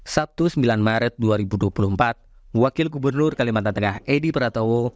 sabtu sembilan maret dua ribu dua puluh empat wakil gubernur kalimantan tengah edi pratowo